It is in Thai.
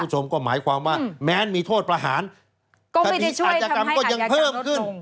หมายความว่าแม้มีโทษประหารคดีฆาตกรรมก็ยังเพิ่มขึ้น